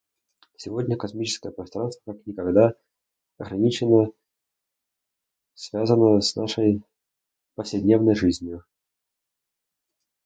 Сегодня космическое пространство как никогда органично связано с нашей повседневной жизнью.